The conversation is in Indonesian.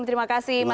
terima kasih banyak